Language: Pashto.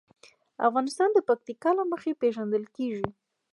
افغانستان د پکتیکا له مخې پېژندل کېږي.